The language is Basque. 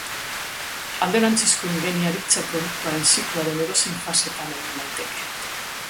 Alderantzizko ingeniaritza produktuaren zikloaren edozein fasetan egin daiteke.